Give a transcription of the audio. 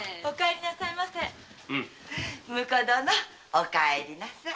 婿殿お帰りなさい。